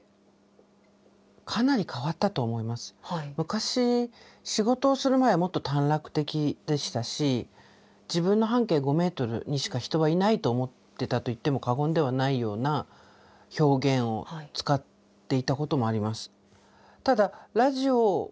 昔仕事をする前はもっと短絡的でしたし自分の半径５メートルにしか人はいないと思ってたと言っても過言ではないような表現を使っていたこともあります。